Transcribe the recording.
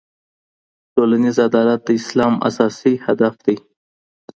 ټولنیز عدالت د اسلام اساسي هدف دی.